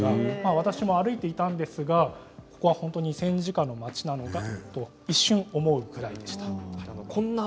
私も歩いていたんですが本当に戦時下の町なのかということを一瞬思うぐらいでした。